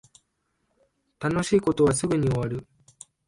楽しい事はすぐに終わる